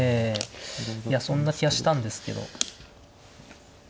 いやそんな気はしたんですけど。